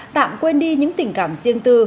tạm quên đi những tình cảm riêng tư